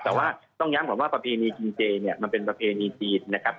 แต่ว่าต้องย้ำก่อนว่าประเพณีกินเจเนี่ยมันเป็นประเพณีจีนนะครับ